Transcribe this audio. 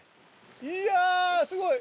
いやすごい！